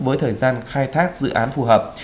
với thời gian khai thác dự án phù hợp